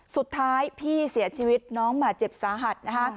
สุดท้ายพี่เสียชีวิตน้องบาดเจ็บสาหัสนะคะ